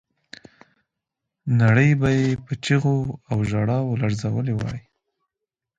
نړۍ به یې په چیغو او ژړاو لړزولې وای.